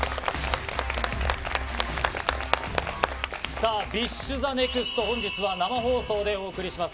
さあ、ＢｉＳＨＴＨＥＮＥＸＴ、本日は生放送でお送りします。